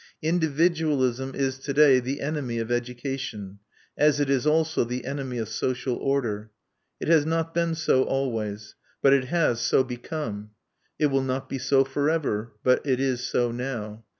Individualism is to day the enemy of education, as it is also the enemy of social order. It has not been so always; but it has so become. It will not be so forever; but it is so now.